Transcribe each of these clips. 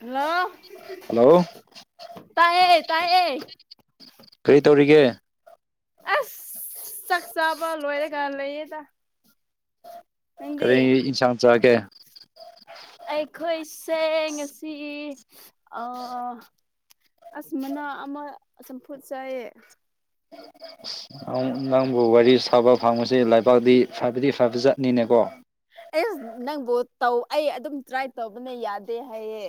ꯍꯜꯂꫭ ꯍꯜꯂꯣ ꯇꯥꯏꯌꯦ ꯇꯥꯏꯌꯦ ꯀꯔꯤ ꯇꯧꯔꯤꯒꯦ ꯑꯁ ꯆꯥꯛ ꯆꯥꯕ ꯂꯣꯏꯔꯒ ꯂꯩꯌꯦꯗ ꯅꯪꯗꯤ ꯀꯔꯤ ꯏꯟꯁꯥꯡ ꯆꯥꯒꯦ ꯑꯩꯈꯣꯏꯁꯦ ꯉꯁꯤ ꯑꯥ ꯑꯁ ꯃꯅꯥ ꯑꯃ ꯆꯝꯐꯨꯠ ꯆꯥꯏꯌꯦ ꯑꯟꯑꯣꯗꯤꯕꯜ [unintelligible] ꯅꯪ ꯅꯪꯕꯨ ꯋꯥꯔꯤ ꯁꯥꯕ ꯐꯪꯕꯁꯤ ꯂꯩꯕꯥꯛꯇꯗꯤ ꯐꯕꯗꯤ ꯐꯕꯗꯤ ꯖꯠꯅꯤꯅꯦꯀꯣ ꯑꯩ ꯅꯪꯕꯨ ꯇꯧ ꯑꯩ ꯑꯗꯨꯝ ꯇ꯭ꯔꯥꯏ ꯇꯧꯕꯅ ꯌꯥꯗꯦ ꯍꯥꯏꯌꯦ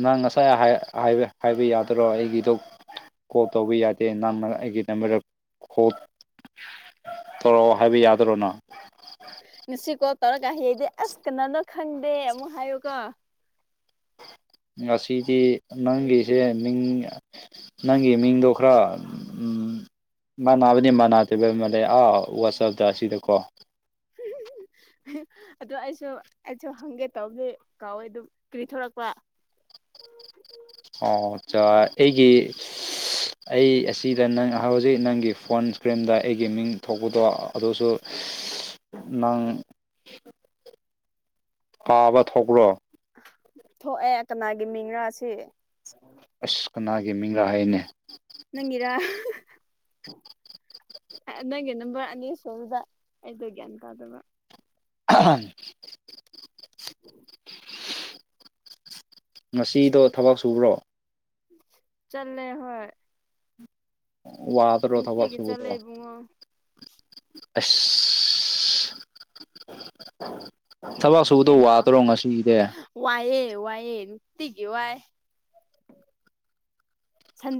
ꯅꯪ ꯉꯁꯥꯏ ꯍꯥꯏ ꯍꯥꯏꯕ ꯍꯥꯏꯕ ꯌꯥꯗꯔꯣ ꯑꯩꯒꯤꯗꯣ ꯀꯣꯜ ꯇꯧꯕ ꯌꯥꯗꯦ ꯅꯝ ꯑꯩꯒꯤ ꯅꯝꯕꯔꯗ ꯀ‌ꯣꯜ ꯇꯧꯔꯛꯑꯣ ꯍꯥꯏꯕ ꯌꯥꯗ꯭ꯔꯣ ꯅꯪ ꯉꯁꯤ ꯀꯣꯜ ꯇꯧꯔꯒ ꯍꯌꯦꯗꯤ ꯑꯁ ꯀꯅꯥꯅꯣ ꯈꯪꯗꯦ ꯑꯃꯨꯛ ꯍꯥꯏꯌꯨꯀꯣ ꯉꯁꯤꯗꯤ ꯅꯪꯒꯤꯖ‌ꯦ ꯃꯤꯡ ꯅꯪꯒꯤ ꯃꯤꯡꯗꯣ ꯈꯔ ꯎꯝ ꯃꯥꯟꯅꯥꯕꯗꯤ ꯃꯥꯟꯅꯗ‌ꯦꯕ ꯃꯥꯜꯂ‌ꯦ ꯑꯥ ꯋꯥꯆꯞꯇ ꯑꯁꯤꯗꯀꯣ [unintelligible] ꯑꯗꯨ ꯑꯩꯁꯨ ꯑꯩꯁꯨ ꯍꯪꯒꯦ ꯇꯧꯕꯅꯤ ꯀꯥꯎꯋꯦ ꯑꯗꯨꯝ ꯀ꯭ꯔꯤ ꯊꯣꯔꯛꯄ ꯑꯣ ꯆꯥ ꯑꯩꯒꯤ ꯑꯩ ꯑꯁꯤꯗ ꯅꯪ ꯍꯧꯖꯤꯛ ꯅꯪꯒꯤ ꯐꯣꯟ ꯏꯁꯀ꯭ꯔꯤꯟꯗ ꯑꯩꯒꯤ ꯃꯤꯡ ꯊꯣꯛꯄꯗꯣ ꯑꯗꯨꯁꯨ ꯅꯪ ꯄꯥꯕ ꯊꯣꯛꯄ꯭ꯔꯣ ꯊꯣꯛꯑꯦ ꯀꯅꯥꯒꯤ ꯃꯤꯡꯔꯥ ꯑꯁꯤ ꯑꯁ ꯀꯅꯥꯒꯤ ꯃꯤꯡ ꯔꯥ ꯍꯥꯏꯅꯦ ꯅꯪꯒꯤꯔꯥ ꯅꯪꯒꯤ ꯅꯝꯕꯔ ꯑꯅꯤ ꯁꯨꯕꯗ ꯑꯩꯗ‌ꯣ ꯒ꯭ꯌꯥꯟ ꯇꯥꯗꯕ [unintelligible] ꯉꯁꯤꯗꯣ ꯊꯕꯛ ꯁꯨꯕ꯭ꯔꯣ ꯆꯠꯂꯦ ꯍꯣꯏ ꯋꯥꯗꯔꯣ ꯊꯕꯛ ꯅꯨꯡꯇꯤꯒꯤ ꯆꯠꯂꯦ ꯁꯨꯕꯗ‌ꯣ ꯏꯕꯨꯡꯉꯣ ꯑꯁ ꯊꯕꯛ ꯁꯨꯕꯗꯣ ꯋꯥꯗꯔꯣ ꯉꯁꯤꯒꯤꯗꯤ ꯋꯥꯏꯌ‌ꯦ ꯋꯥꯏꯌꯦ ꯅꯨꯡꯇꯤꯒꯤ ꯋꯥꯏ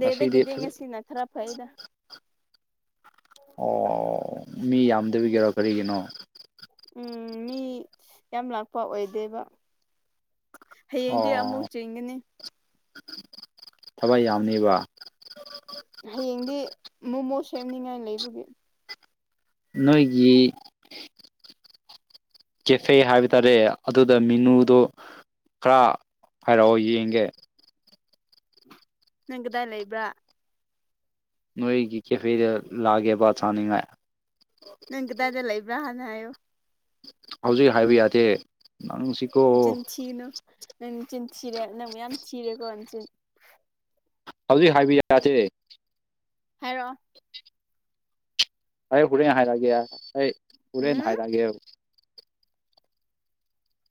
ꯉꯁꯤꯗꯤ ꯐꯖ ꯉꯁꯤꯅ ꯈꯔ ꯐꯩꯗ ꯑꯣ ꯃꯤ ꯌꯥꯝꯗꯕꯤꯒꯤꯔꯣ ꯀꯔꯤꯒꯤꯅꯣ ꯎꯝ ꯃꯤ ꯌꯥꯝ ꯂꯥꯛꯄ ꯑꯣꯏꯗꯦꯕ ꯍꯌꯦꯡꯗꯤ ꯑꯃꯨꯛ ꯑꯣ ꯆꯤꯟꯒꯅꯤ ꯊꯕꯛ ꯌꯥꯝꯃꯤꯕ ꯍꯌꯦꯡꯗꯤ ꯃꯣꯃꯣ ꯁꯦꯝꯅꯤꯉꯥꯏ ꯂꯩꯕꯒꯤ ꯅꯣꯏꯒꯤ ꯀꯦꯐꯦ ꯍꯥꯏꯕ ꯇꯥꯔꯦ ꯑꯗꯨꯗ ꯃꯤꯅꯨꯗꯣ ꯈꯔ ꯍꯥꯏꯔꯛꯑꯣ ꯌꯦꯡꯒꯦ ꯅꯪ ꯀꯗꯥꯏ ꯂꯩꯕ꯭ꯔꯥ ꯅꯣꯏꯒꯤ ꯀꯦꯐꯦꯗ ꯂꯥꯛꯒꯦꯕ ꯆꯥꯅꯤꯉꯥꯏ ꯅꯪ ꯀꯗꯥꯏꯗ ꯂꯩꯕ꯭ꯔꯥ ꯍꯥꯟꯅ ꯍꯥꯏꯌꯨ ꯍꯧꯖꯤꯛ ꯍꯥꯏꯕ ꯌꯥꯗꯦ ꯅꯪꯁꯤ ꯅꯆꯤꯟ ꯊꯤꯅꯣ ꯅꯪ ꯆꯤꯟ ꯊꯤꯔꯦ ꯅꯪ ꯃꯌꯥꯝ ꯊꯤꯔꯦꯀꯣ ꯅꯆꯤꯟ ꯍꯧꯖꯤꯛ ꯍꯥꯏꯕ ꯌꯥꯗꯦ ꯍꯥꯏꯔꯛꯑꯣ ꯑꯩ ꯍꯨꯔꯦꯟ ꯍꯥꯏꯔꯛꯑꯒꯦ ꯑꯩ ꯍꯨꯔꯦꯟ ꯎꯝ ꯍꯥꯏꯔꯛꯑꯒꯦꯕ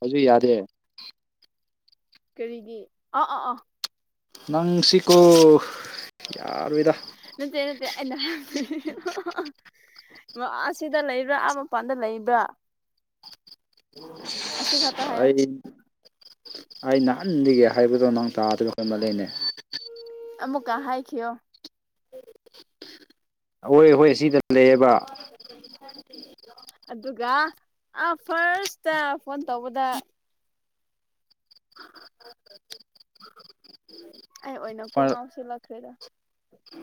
ꯍꯧꯖꯤꯛ ꯌꯥꯗꯦ ꯀꯔꯤꯒꯤ ꯑꯥ ꯑꯥ ꯑꯥ ꯅꯪꯁꯤꯀꯣ ꯌꯥꯔ‌ꯣꯏꯗ ꯅꯠꯇꯦ ꯅꯠꯇꯦ ꯑꯩꯅ [unintelligible] ꯑꯁꯤꯗ ꯂꯩꯕ꯭ꯔꯥꯥ ꯑꯥ ꯃꯄꯥꯟꯗ ꯂꯩꯕ꯭ꯔꯥ [unintelligible] ꯑꯁꯤ ꯈꯛꯇ ꯍꯥꯏꯌꯣ ꯑꯩ ꯑꯩ ꯅꯍꯟꯗꯒꯤ ꯍꯥꯏꯕꯗꯣ ꯅꯪ ꯇꯥꯗ꯭ꯔ ꯍ‌ꯦꯟ ꯃꯜꯂ‌ꯦꯅꯦ ꯑꯃꯨꯛ ꯀꯥ ꯍꯥꯏꯈꯤꯌꯣ ꯑꯍꯣꯏ ꯍꯣꯏ ꯑꯁꯤꯗ ꯂꯩꯌꯦꯕ [unintelligible] ꯑꯗꯨꯒ ꯐꯥꯔꯁꯇ ꯐꯣꯟ ꯇꯧꯕꯗ ꯑꯩ ꯑꯣꯏꯅ ꯀꯣꯛ ꯉꯥꯎ ꯁꯤꯜꯂꯛꯈ꯭ꯔꯦꯗ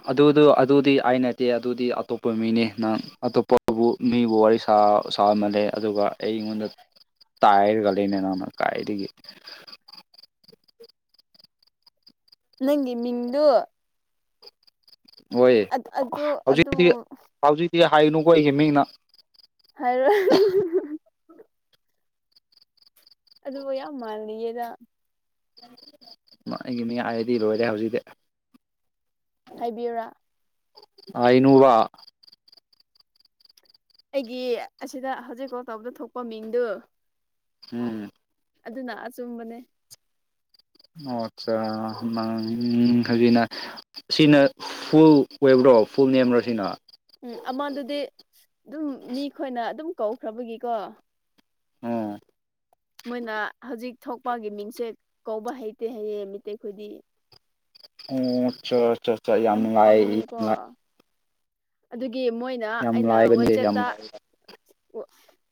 ꯑꯗꯨꯗꯣ ꯑꯗꯨꯗꯤ ꯑꯩ ꯅꯠꯇꯦ ꯑꯗꯨꯗꯤ ꯑꯇꯣꯞꯄ ꯃꯤꯅꯤ ꯅꯪ ꯑꯇꯣꯞꯄꯕꯨ ꯃꯤꯕꯨ ꯋꯥꯔꯤ ꯁꯥ ꯁꯥꯃꯜꯂꯦ ꯑꯗꯨꯒ ꯑꯩꯉꯣꯟꯗ ꯑꯟꯏꯟꯇꯦꯜꯂꯤꯖꯦꯕꯜ ꯅꯪꯒꯤ ꯃꯤꯡꯗꯨ ꯍꯣꯏ ꯑꯗꯨ ꯍꯧꯖꯤꯛꯇꯤ ꯑꯗꯨꯕꯨ ꯍꯧꯖꯤꯛꯇꯤ ꯍꯥꯏꯒꯅꯨꯀꯣ ꯑꯩꯒꯤ ꯃꯤꯡꯅ ꯍꯥꯏꯔꯣꯏ ꯍꯍꯍ ꯑꯗꯨꯕꯨ ꯌꯥꯝ ꯃꯥꯜꯂꯤꯌꯦꯗ ꯑꯩꯒꯤ ꯃꯤ ꯍꯥꯏꯔꯗꯤ ꯂꯣꯏꯔꯦ ꯍꯧꯖꯤꯛꯇꯤ ꯍꯥꯏꯕꯤꯌꯨꯨꯔꯥ ꯍꯥꯏꯅꯨꯕ ꯑꯩꯒꯤ ꯑꯁꯤꯗ ꯍꯧꯖꯤꯛ ꯀꯣꯜ ꯇꯧꯕꯗ ꯊꯣꯛꯄ ꯃꯤꯡꯗꯨ ꯎꯝ ꯑꯗꯨꯅ ꯑꯆꯨꯝꯕꯅꯦ ꯑꯣ ꯑꯠꯆꯥ ꯎ ꯍꯧꯖꯤꯅ ꯁꯤꯅ ꯐꯨꯜ ꯑꯣꯏꯕ꯭ꯔꯣ ꯐꯨꯜ ꯅꯦꯝꯔꯣ ꯁꯤꯅ ꯎꯝ ꯑꯃꯥꯟꯗꯨꯗꯤ ꯑꯗꯨꯝ ꯃꯤ ꯈꯣꯏꯅ ꯑꯗꯨꯝ ꯀꯧꯈ꯭ꯔꯕꯒꯤꯀꯣ ꯑꯣ ꯃꯣꯏꯅ ꯍꯧꯖꯤꯛ ꯊꯣꯛꯄꯒꯤ ꯃꯤꯡꯁꯦ ꯀꯧꯕ ꯍꯩꯇꯦ ꯍꯩꯌꯦ ꯃꯤꯇꯩ ꯈꯨꯗꯤ ꯑꯣ ꯑꯆꯥ ꯌꯥꯝ ꯌꯥꯝꯅꯨꯡꯉꯥꯏ ꯄꯪꯉꯦꯀꯣ ꯌꯥꯝ ꯑꯗꯨꯒꯤ ꯃꯣꯏꯅ ꯌꯥꯝ ꯑꯩꯅ ꯂꯥꯏꯕꯅꯤ ꯌꯥꯝ ꯋꯥꯆꯦꯞꯇ ꯂꯥꯏ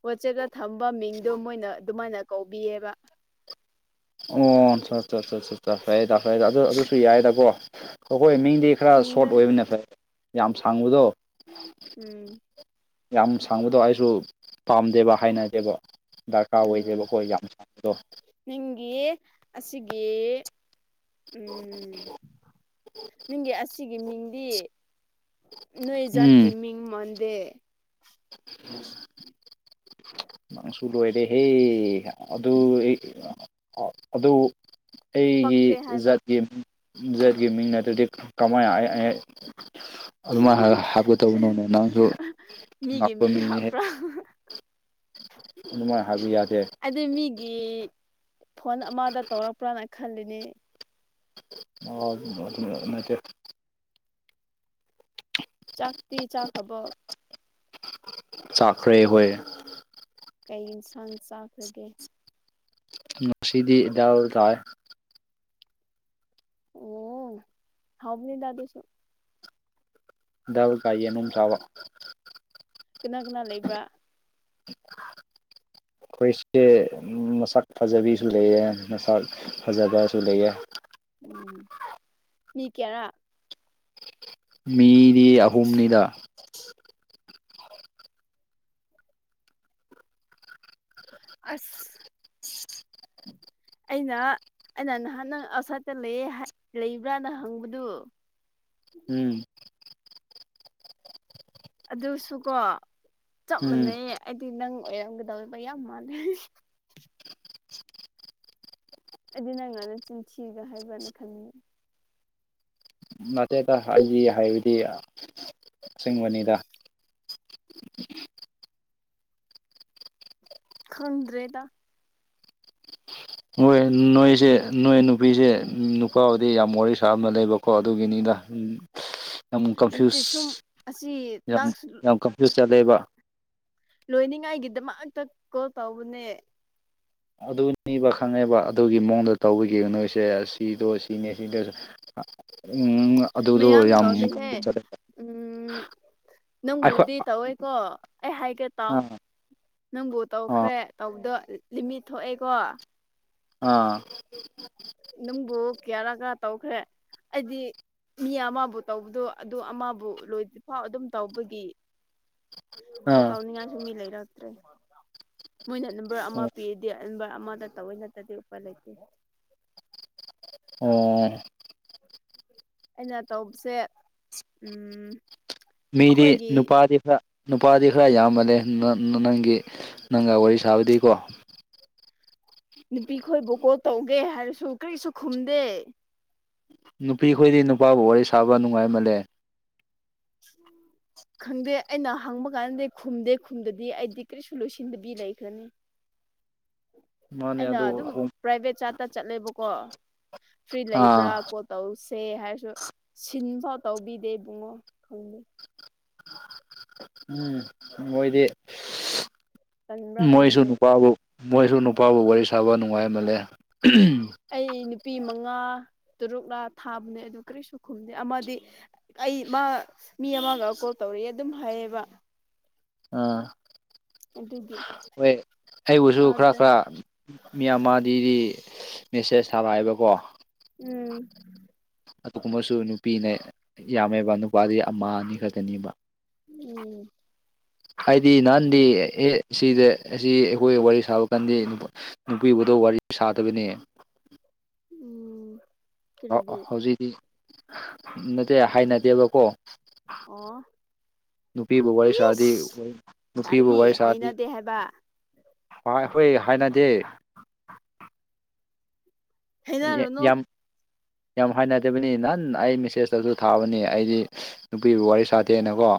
ꯋꯥꯆꯦꯞꯇ ꯊꯝꯕ ꯃꯤꯡꯗꯣ ꯃꯣꯏꯅ ꯑꯗꯨꯃꯥꯏꯅ ꯀꯧꯕꯤꯌꯦꯕ ꯑꯣ ꯁꯠ ꯆꯠꯠ ꯆꯠ ꯆꯠ ꯐꯩꯗ ꯐꯔꯦ ꯑꯗꯨ ꯑꯗꯨꯁꯨ ꯌꯥꯏꯗꯀꯣ ꯑꯩꯈꯣꯏ ꯃꯤꯡꯗꯤ ꯈꯔ ꯁꯣꯔꯠ ꯈꯪꯗꯦ ꯑꯣꯏꯕꯅꯦ ꯐꯩ ꯌꯥꯝ ꯁꯥꯡꯕꯗꯣ ꯎꯝ ꯌꯥꯝ ꯁꯥꯡꯕꯗꯣ ꯑꯩꯁꯨ ꯄꯥꯝꯗꯦꯕ ꯍꯥꯏꯅꯒꯦꯕ ꯗꯔꯀꯥꯔ ꯑꯣꯏꯗꯦꯕꯀꯣ ꯌꯥꯝ ꯁꯕꯗꯣ ꯅꯤꯡꯒꯤ ꯑꯁꯤꯒꯤ ꯎꯝ ꯅꯪꯒꯤ ꯑꯁꯤꯒꯤ ꯃꯤꯡꯗꯤ ꯅꯣꯏ ꯏꯖꯥꯠ ꯇꯤꯃꯤ ꯃꯟꯗꯦ ꯑꯝ [unintelligible] ꯅꯪꯁꯨ ꯂꯣꯏꯔꯦ ꯍꯦ ꯑꯗꯨ ꯑꯗꯨ ꯑꯩꯒꯤ ꯄꯛꯇꯦ ꯍꯥꯏꯕ ꯖꯥꯠꯀꯤ ꯖꯦꯠꯀꯤ ꯃꯤꯡ ꯅꯠꯇ꯭ꯔꯗꯤ ꯀꯃꯥꯏ ꯑꯗꯨꯃꯥꯏꯅꯔ ꯍꯥꯞꯀꯗꯧꯕꯅꯣꯅꯦ ꯅꯪꯁꯨ ꯃꯤꯒꯤ ꯉꯥꯛꯄ ꯃꯤꯅꯦ ꯍꯦꯛ ꯍ ꯑꯗꯨꯃꯥꯏꯅ ꯍꯥꯏꯕ ꯌꯥꯗꯦ ꯑꯗꯨ ꯃꯤꯒꯤ ꯐꯣꯟ ꯑꯃꯗ ꯇꯧꯔꯛꯄ꯭ꯔꯅ ꯈꯜꯂꯤꯅꯤ ꯑ ꯑꯗꯨ ꯑꯗꯨ ꯑꯗꯨꯅꯠꯇꯦ ꯍ [unintelligible] ꯆꯥꯛꯇꯤ ꯆꯥꯛꯈꯕ ꯆꯥꯛꯈ꯭ꯔꯦ ꯍꯣꯏ ꯀꯩ ꯏꯟꯁꯥꯡ ꯆꯥꯈ꯭ꯔꯒꯦ ꯉꯁꯤꯗꯤ ꯗꯜ ꯇꯥꯏ ꯑꯣ ꯍꯥꯎꯕꯅꯤꯗ ꯑꯗꯨꯁꯨ ꯗꯥꯜ ꯀꯥꯏ ꯌꯦꯅꯨꯡ ꯆꯥꯕ ꯀꯅꯥ ꯀꯅꯥ ꯂꯩꯕ꯭ꯔꯥ ꯑꯈꯣꯏꯁꯦ ꯃꯁꯛ ꯐꯖꯕꯤꯁꯨ ꯂꯩꯌꯦ ꯃꯁꯛ ꯐꯖꯕꯁꯨ ꯂꯩꯌꯦ ꯎꯝ ꯃꯤ ꯀꯌꯥꯔꯥ ꯃꯤ ꯗꯤ ꯑꯍꯨꯝꯅꯤꯗ ꯑꯁ [inaudible] ꯑꯩꯅ ꯑꯩꯅ ꯅꯍꯥꯟ ꯅꯪ ꯑꯥꯎꯠꯁꯥꯏꯗꯠꯇ ꯂꯩꯌꯦ ꯂꯩꯕ꯭ꯔꯥꯅ ꯍꯪꯕꯗꯨ ꯎꯝ ꯑꯗꯨꯁꯨꯀꯣ ꯆꯞ ꯎꯝ ꯃꯥꯟꯅꯩꯌꯦ ꯑꯩꯗꯤ ꯅꯪ ꯑꯣꯏꯔꯝꯒꯗꯧꯕ ꯌꯥꯝ ꯃꯥꯜꯂꯦ ꯑꯩꯗꯤ ꯅꯪꯅ ꯅꯆꯤꯟ ꯊꯤꯒ ꯍꯥꯏꯕ꯭ꯔꯅ ꯈꯟꯅꯤ ꯅꯇꯦꯗ ꯑꯩꯗꯤ ꯍꯥꯏꯕꯗꯤ ꯀꯆꯤꯡꯕꯅꯤꯗ ꯈꯪꯗ꯭ꯔꯦꯗ ꯃꯣꯏ ꯅꯣꯏꯁꯦ ꯅꯣꯏ ꯅꯨꯄꯤꯁꯦ ꯅꯨꯄꯥꯕꯨꯗꯤ ꯌꯥꯝ ꯋꯥꯔꯤ ꯁꯥꯕ ꯂꯩꯕ ꯀꯣ ꯑꯗꯨꯒꯤꯅꯤꯗ ꯌꯥꯝ ꯅꯠꯇꯦ ꯀꯟꯐ꯭ꯌꯨꯁ ꯁꯨꯝ ꯑꯁꯤ ꯌꯥꯝ ꯇꯥꯛꯁ ꯌꯥꯝ ꯀ ꯆꯗꯩꯕ ꯂꯣꯏꯅꯤꯡꯉꯥꯏꯒꯤꯗꯃꯛꯇ ꯀꯣꯜ ꯇꯧꯕꯅꯦ ꯑꯗꯨꯅꯤꯕ ꯈꯪꯉꯦꯕ ꯑꯗꯨꯒꯤ ꯃꯑꯣꯡꯗ ꯇꯧꯕꯤꯒꯤ ꯅꯣꯏꯁꯦ ꯁꯤꯗꯣ ꯁꯤꯅꯦ ꯁꯤꯗꯁꯨ ꯑꯥ ꯎꯪ ꯑꯥ ꯃꯌꯥꯝ ꯇꯧꯗꯦꯍꯦ ꯎꯝ ꯑꯩꯈꯣꯏ ꯅꯪꯕꯨꯗꯤ ꯇꯧꯋꯦꯀꯣ ꯑꯩ ꯍꯥꯏꯒꯦ ꯇꯥꯎ ꯑꯥ ꯅꯪꯕꯨ ꯑꯥ ꯇꯧꯈ꯭ꯔꯦ ꯇꯧꯕꯗꯣ ꯂꯤꯃꯤꯠ ꯊꯣꯛꯑꯦꯀꯣ ꯑꯥ ꯅꯪꯕꯨ ꯀꯤꯌꯥꯔꯥ ꯀ ꯇꯧꯈ꯭ꯔꯦ ꯑꯩꯗꯤ ꯃꯤ ꯑꯃꯕꯨ ꯇꯧꯕꯗꯣ ꯑꯗꯨ ꯑꯃꯕꯨ ꯂꯣꯏꯗꯔꯤꯐꯥꯎ ꯑꯗꯨꯝ ꯇꯧꯕꯒꯤ ꯀꯣ ꯑꯥ ꯇꯥꯎꯅꯤꯡꯉꯥꯏꯁꯨ ꯃꯤ ꯂꯩꯔꯛꯇ꯭ꯔꯦ ꯃꯣꯏꯅ ꯅꯝꯕꯔ ꯑꯃ ꯑꯣ ꯄꯤꯔꯗꯤ ꯍꯦꯟꯕ ꯑꯃꯗ ꯇꯧꯋꯤ ꯅꯠꯇꯔꯗꯤ ꯎꯄꯥꯏ ꯂꯩꯇꯦ ꯑꯣ ꯑꯩꯅ ꯇꯧꯕꯁꯦ ꯎꯝ ꯃꯤꯗꯤ ꯑꯩꯈꯣꯏꯒꯤ ꯅꯨꯄꯥꯔꯤ ꯍꯥ ꯅꯨꯄꯥꯗꯤ ꯈꯔ ꯌꯥꯝꯃꯜꯂꯦ ꯅꯪꯒꯤ ꯅꯪꯒ ꯋꯥꯔꯤ ꯁꯥꯕꯗꯤꯀꯣ ꯅꯨꯄꯤ ꯈꯣꯏꯕꯨ ꯀꯣꯜ ꯇꯧꯒꯦ ꯍꯥꯏꯔꯁꯨ ꯀꯔꯤꯁꯨ ꯈꯨꯝꯗꯦ ꯅꯨꯄꯤꯈꯣꯏꯗꯤ ꯅꯨꯄꯥꯕꯨ ꯋꯥꯔꯤ ꯁꯥꯕ ꯅꯨꯡꯉꯥꯏꯃꯜꯂꯦ ꯎꯝ ꯈꯪꯗꯦ ꯑꯩꯅ ꯍꯪꯕ ꯀꯥꯟꯗꯤ ꯈꯨꯝꯗꯦ ꯈꯨꯝꯗꯗꯤ ꯑꯩꯗꯤ ꯀꯔꯤꯁꯨ ꯂꯣꯏꯁꯤꯟꯗꯕꯤ ꯂꯩꯈ꯭ꯔꯅꯤ ꯃꯥꯅꯦ ꯑꯩꯅ ꯑꯗꯨ ꯑꯗꯨꯝ ꯄ꯭ꯔꯥꯏꯚꯦꯠ ꯆꯥꯠꯇ ꯆꯠꯂꯦꯕꯀꯣ ꯐ꯭ꯔꯤ ꯂꯩꯕ꯭ꯔꯥ ꯑꯥ ꯀꯣ ꯇꯧꯁꯦ ꯍꯥꯏꯔꯁꯨ ꯁꯤꯟꯐꯥꯎ ꯇꯧꯕꯤꯗꯦ ꯏꯕꯨꯡꯉꯣ ꯈꯪꯗꯦ ꯎꯝ ꯃꯣꯏꯗꯤ ꯇꯟꯕ꯭ꯔꯥ ꯃꯣꯏꯁꯨ ꯈꯪꯗꯦ ꯅꯨꯄꯥꯕꯨ ꯃꯣꯏꯁꯨ ꯅꯨꯄꯥꯕꯨ ꯋꯥꯔꯤ ꯁꯥꯕ ꯅꯨꯡꯉꯥꯏꯃꯜꯂꯦ ꯑꯩ ꯅꯨꯄꯤ ꯃꯉꯥ ꯇꯔꯨꯛꯂ ꯊꯥꯕꯅꯦ ꯑꯗꯨ ꯀꯔꯤꯁꯨ ꯈꯨꯝꯗꯦ ꯑꯃꯗꯤ ꯑꯩ ꯃꯥ ꯃꯤ ꯑꯃꯒ ꯀꯣꯜ ꯇꯧꯔꯤꯑꯦ ꯑꯗꯨꯝ ꯍꯥꯏꯌꯦꯕ ꯑꯥ ꯑꯗꯨꯒꯤ ꯋꯦ ꯑꯩꯕꯨꯁꯨ ꯈꯔ ꯊꯥꯗ꯭ꯔꯦ ꯈꯔ ꯃꯤ ꯑꯃ ꯗꯤ ꯗꯤ ꯃꯦꯁꯦꯁ ꯊꯥꯕ ꯍꯥꯏꯕꯀꯣ ꯎꯝ ꯑꯗꯨꯒꯨꯝꯕꯁꯨ ꯅꯨꯄꯤꯅ ꯌꯥꯝꯃꯦꯕ ꯅꯨꯄꯥꯗꯤ ꯑꯃ ꯑꯅꯤ ꯈꯛꯇꯅꯦꯕ ꯎꯝ ꯍꯥꯏꯗꯤ ꯅꯍꯥꯟꯗꯤ ꯑꯦ ꯁꯤꯗ ꯑꯁꯤ ꯑꯩꯈꯣꯏ ꯋꯥꯔꯤ ꯁꯥꯕ ꯀꯥꯟꯗꯤ ꯅꯨꯄꯤꯕꯨꯗ ꯋꯥꯔꯤ ꯁꯥꯗꯕꯅꯤ ꯎꯝ ꯑ ꯑ ꯀꯔꯤꯒꯤ ꯍꯧꯖꯤꯛꯇꯤ ꯅꯠꯇꯦ ꯍꯥꯏꯅꯗꯦꯕꯀꯣ ꯑꯣ ꯅꯨꯄꯤꯕꯨ ꯋꯥꯔꯤ ꯁꯥꯔꯗꯤ ꯏꯁ ꯋꯨ ꯀꯔꯤ ꯅꯨꯄꯤꯕꯨ ꯋꯥꯔꯤ ꯁꯥꯔꯗꯤ ꯍꯩꯅꯗꯦ ꯍꯥꯏꯕ ꯑꯥ ꯍꯣꯏ ꯍꯥꯏꯅꯗꯦ ꯍꯩꯅꯔꯨꯅꯨ ꯌꯥꯝ ꯌꯥꯝ ꯍꯥꯏꯅꯗꯕꯅꯤ ꯅꯍꯥꯟ ꯑꯩ ꯃꯦꯁꯦꯖꯇꯁꯨ ꯊꯥꯕꯅꯤ ꯑꯩꯗꯤ ꯅꯨꯄꯤꯕꯨ ꯋꯥꯔꯤ ꯁꯥꯇꯦ ꯅꯀꯣ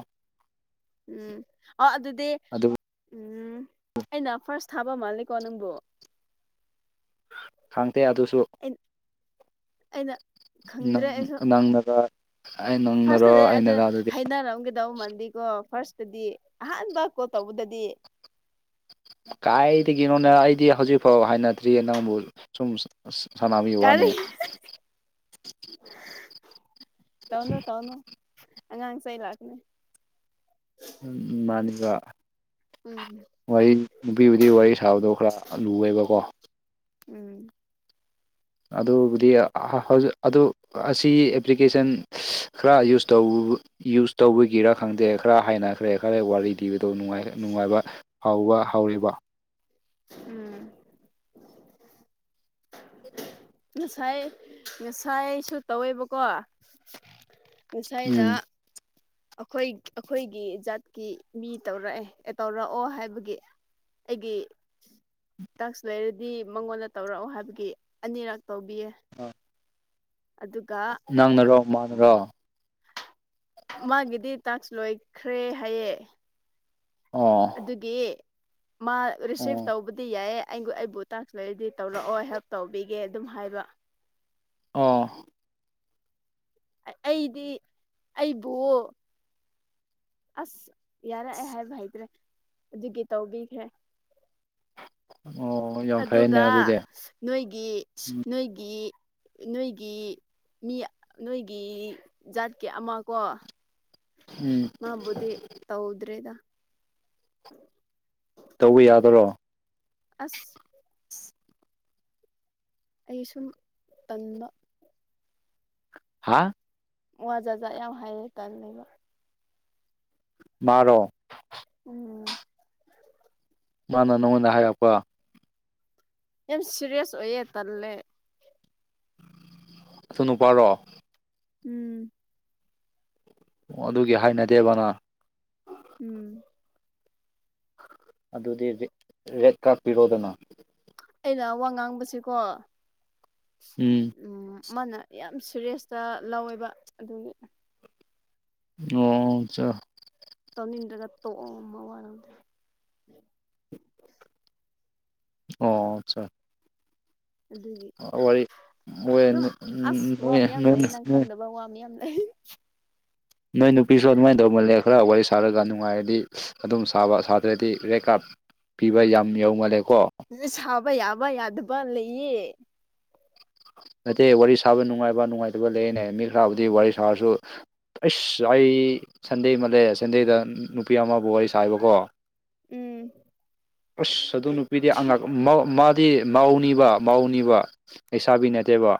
ꯎꯝ ꯑꯣ ꯑꯗꯨꯗꯤ ꯑꯗꯨ ꯎꯝ ꯑꯩꯅ ꯐꯥꯔꯁ ꯊꯥꯕ ꯃꯥꯜꯂꯤꯀꯣ ꯅꯪꯕꯨ ꯈꯪꯗꯦ ꯑꯗꯨꯁꯨ ꯑ ꯑꯩꯅ ꯈꯪꯗ꯭ꯔꯦ ꯑꯩꯁꯨ ꯂꯥꯡ ꯕ ꯐꯥꯔꯁꯇꯗꯤ ꯑꯗꯨ ꯍꯩꯅꯔꯝꯒꯗꯧ ꯃꯥꯟꯗꯤ ꯀꯣ ꯐꯥꯔꯁꯇꯗꯤ ꯑꯍꯥꯟꯕ ꯀꯣꯜ ꯇꯧꯕꯗꯗꯤ ꯀꯥꯏꯗꯒꯤꯅꯣꯅꯦ ꯑꯩꯗꯤ ꯍꯧꯖꯤꯛꯐꯥꯎ ꯍꯥꯏꯅꯗ꯭ꯔꯤꯌꯦ ꯅꯪꯕꯨ ꯁꯨꯝ ꯁ ꯑꯁ ꯁꯥꯟꯅꯕꯩ ꯋꯥꯅꯦ ꯇꯧꯅꯣ ꯇꯧꯅꯣ ꯑꯉꯥꯡꯁ ꯂꯥꯛꯅꯤ ꯎꯝ ꯃꯥꯅꯤꯅꯕ ꯎꯝ ꯋꯥꯔꯤ ꯅꯨꯄꯤꯕꯨꯗꯤ ꯋꯥꯔꯤ ꯁꯥꯕꯗꯣ ꯈꯔ ꯂꯨꯋꯦꯕꯀꯣ ꯎꯝ ꯑꯗꯨꯕꯨꯗꯤ ꯑꯗꯨ ꯑꯁꯤ ꯑꯦꯄ꯭ꯂꯤꯀꯦꯁꯟ ꯈꯔ ꯌꯨꯁ ꯇꯧ ꯕ ꯌꯨꯁ ꯇꯧꯕꯒꯤꯔꯥ ꯈꯪꯗꯦ ꯈꯔ ꯍꯩꯅ ꯈꯔꯦ ꯈꯔ ꯋꯥꯔꯤ ꯂꯤꯕꯗꯣ ꯅꯨꯡꯉꯥꯏꯕ ꯍꯥꯎꯕ ꯍꯧꯥꯎꯔꯤꯕ ꯎꯝ ꯉꯁꯥꯏ ꯉꯁꯥꯏꯁꯨ ꯇꯧꯋꯦꯕꯀꯣ ꯉꯁꯥꯏꯅ ꯎꯝ ꯑꯩꯈꯣꯏ ꯑꯩꯈꯣꯏꯒꯤ ꯖꯥꯠꯀꯤ ꯃꯤ ꯇꯧꯔꯛꯑꯦ ꯑꯦ ꯇꯧꯔꯛꯑꯣ ꯍꯥꯏꯕꯒꯤ ꯑꯩꯒꯤ ꯇꯥꯛꯁ ꯂꯩꯔꯗꯤ ꯃꯉꯣꯟꯗ ꯇꯧꯔꯛꯑꯣ ꯍꯥꯏꯕꯒꯤ ꯑꯅꯤꯔꯛ ꯇꯧꯕꯤꯌꯦ ꯎꯝ [inaudible] ꯑꯗꯨꯒ ꯅꯪꯅꯔꯣ ꯃꯥꯅꯔꯣ ꯎꯝ ꯃꯥꯒꯤꯗꯤ ꯇꯥꯛꯁ ꯂꯣꯏꯈ꯭ꯔꯦ ꯍꯥꯏꯌꯦ ꯑꯣ ꯑꯗꯨꯒꯤ ꯃꯥ ꯔꯤꯁꯤꯞ ꯑꯣ ꯇꯧꯕꯗꯤ ꯌꯥꯏꯌꯦ ꯑꯩꯕꯨ ꯑꯩꯕꯨ ꯇꯥꯛꯁ ꯂꯩꯔꯗꯤ ꯇꯧꯔꯛꯑꯣ ꯍꯦꯜꯞ ꯇꯧꯕꯤꯒꯦ ꯑꯗꯨꯝ ꯍꯥꯏꯕ ꯑꯣ ꯑꯩꯗꯤ ꯑꯩꯕꯨ ꯑꯁ ꯌꯥꯔꯦ ꯍꯥꯏꯕ ꯍꯩꯇ꯭ꯔꯦ ꯑꯗꯨꯒꯤ ꯇꯧꯕꯤꯈ꯭ꯔꯦ ꯑꯣ ꯌꯥꯝ ꯐꯩꯅꯦ ꯑꯗꯨꯒ ꯑꯗꯨꯗꯤ ꯅꯣꯏꯒꯤ ꯅꯣꯏꯒꯤ ꯅꯣꯏꯒꯤ ꯃꯤ ꯅꯣꯏꯒꯤ ꯖꯥꯠꯀꯤ ꯑꯃ ꯀꯣ ꯎꯝ ꯃꯥꯕꯨꯗꯤꯦ ꯇꯧꯗ꯭ꯔꯦꯗ ꯇꯧꯕ ꯌꯥꯗꯔꯣ ꯑꯁ ꯑꯩ ꯁꯨꯝ ꯄꯟꯕ ꯍꯥꯥ ꯋꯥ ꯖꯥꯠ ꯖꯥꯠ ꯌꯥꯝ ꯍꯥꯏꯔꯦ ꯇꯜꯂꯦꯕ꯫ ꯃꯥꯔꯣ ꯎꯝ ꯃꯥꯅ ꯅꯉꯣꯟꯗ ꯍꯥꯏꯔꯛꯄ ꯌꯥꯝ ꯁꯤꯔꯤꯌ꯭ꯁ ꯑꯣꯏꯌꯦ ꯇꯜꯂꯦ ꯅꯨꯄꯥꯔꯣ ꯎꯝ ꯑꯣ ꯑꯗꯨꯒꯤ ꯍꯥꯏꯅꯗꯦꯕ ꯅꯪ ꯎꯝ [unintelligible] ꯑꯗꯨꯗꯤ ꯔꯦꯠ ꯀꯥꯔ ꯄꯤꯔꯣꯗꯅ ꯑꯩꯅ ꯋꯥ ꯉꯥꯡꯕꯁꯤꯀꯣ ꯎꯝ ꯑꯃꯅ ꯌꯥꯝ ꯁꯦꯔꯦꯁꯇ ꯂꯧꯋꯦꯕ ꯑꯗꯨꯒꯤ ꯅꯣꯡ ꯆ ꯇꯧꯅꯤꯡꯗ꯭ꯔꯒ ꯇꯣꯛꯑꯣ ꯃꯋꯥ ꯂꯧꯗꯦ ꯑꯣ ꯑꯠꯆꯥ ꯑꯗꯨꯒꯤ ꯃꯣꯏ ꯑꯗꯨꯝ ꯑꯁ ꯋꯥ ꯅꯣꯏ ꯃꯌꯥꯝ ꯂꯩ ꯅꯪ ꯅꯣꯏ ꯈꯪꯗꯕ ꯋꯥ ꯃꯌꯥꯝ ꯂꯩ [unintelligible] ꯅꯣꯏ ꯅꯨꯄꯤꯁꯨ ꯑꯗꯨꯃꯥꯏ ꯗꯧꯃꯜꯂꯦ ꯈꯔ ꯋꯥꯔꯤ ꯁꯥꯔꯒ ꯅꯨꯡꯉꯥꯏꯔꯗꯤ ꯑꯗꯨꯝ ꯁꯥꯕ ꯁꯥꯇ꯭ꯔꯗꯤ ꯔꯦꯠ ꯀꯥꯔꯗ ꯄꯤꯕ ꯌꯥꯝ ꯌꯧꯃꯜꯂꯦꯀꯣ ꯁꯥꯕ ꯌꯥꯕ ꯌꯥꯗꯕ ꯂꯩꯌꯦ ꯅꯠꯇꯦ ꯋꯥꯔꯤ ꯁꯥꯕ ꯅꯨꯡꯉꯥꯏꯕ ꯅꯨꯡꯉꯥꯏꯇꯕ ꯂꯩꯌꯦꯅꯦ ꯃꯤ ꯈꯔꯕꯨꯗꯤ ꯋꯥꯔꯤ ꯁꯥꯔꯁꯨ ꯑꯩꯁ ꯑꯩ ꯁꯟꯗꯦ ꯑꯃꯜꯂꯦ ꯁꯟꯗꯦꯗ ꯅꯨꯄꯤ ꯑꯃꯕꯨ ꯋꯥꯔꯤ ꯁꯥꯏꯕꯀꯣ ꯎꯝ ꯑꯁ ꯑꯗꯨ ꯅꯨꯄꯤꯗꯤ ꯑꯉꯥꯛ ꯃꯧ ꯃꯥꯗꯤ ꯃꯥꯎꯅꯤꯕ ꯃꯥꯎꯅꯤꯕ ꯂꯩꯁꯥꯕꯤ ꯅꯠꯇꯦꯕ